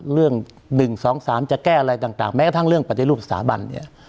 เรื่อง๑๒๓จะแก้อะไรต่างแม้กระทั่งเรื่องปฏิรูปสถาบันเนี่ย